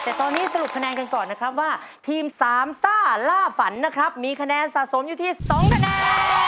แต่ตอนนี้สรุปคะแนนกันก่อนนะครับว่าทีมสามซ่าล่าฝันนะครับมีคะแนนสะสมอยู่ที่๒คะแนน